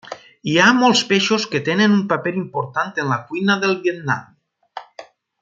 Hi ha molts peixos que tenen un paper important en la cuina del Vietnam.